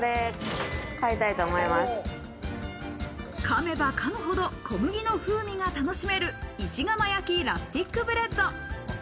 噛めば噛むほど小麦の風味が楽しめる石釜焼きラスティックブレッド。